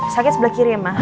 sakit sebelah kiri ya mah